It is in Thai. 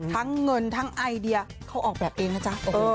ทั้งเงินทั้งไอเดียเขาออกแบบเองนะจ๊ะ